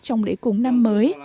trong lễ cúng năm mới